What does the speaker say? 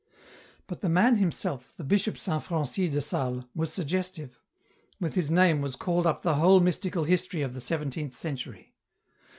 But the man himself, the Bishop Saint Francis de Sales, was suggestive ; with his name was called up the whole mystical history of the seventeenth century.